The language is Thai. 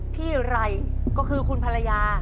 ไรก็คือคุณภรรยา